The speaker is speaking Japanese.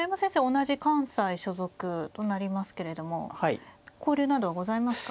同じ関西所属となりますけれども交流などはございますか？